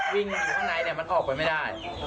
วิ่งอยู่ข้างในเนี่ยมันออกไปไม่ได้